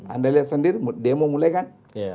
anda lihat sendiri dia mau mulai kan